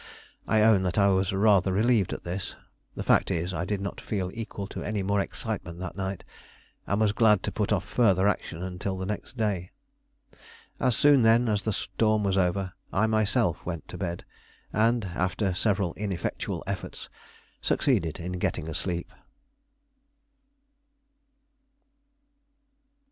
I own that I was rather relieved at this. The fact is, I did not feel equal to any more excitement that night, and was glad to put off further action until the next day. As soon, then, as the storm was over, I myself went to bed, and, after several ineffectual efforts, succeeded in getting asleep.